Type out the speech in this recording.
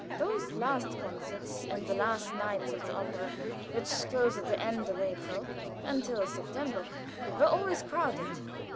Those last concerts, and the last nights of the opera, which closed at the end of April, until September, were always crowded.